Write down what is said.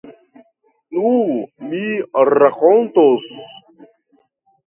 Nu, mi rakontos.